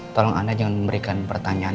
tolong anda jangan memberikan pertanyaan